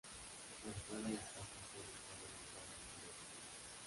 La entrada a la casa suele estar orientada al sureste.